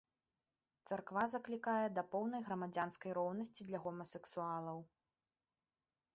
Царква заклікае да поўнай грамадзянскай роўнасці для гомасексуалаў.